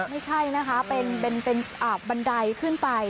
ไม่ใช่นะคะเป็นบันไดขึ้นไป